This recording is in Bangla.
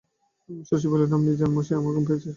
শশী বলে, আপনি যান মশায়, আমার ঘুম পেয়েছে।